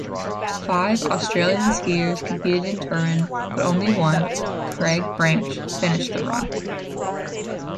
Five Australian skiers competed in Turin, but only one, Craig Branch, finished a run.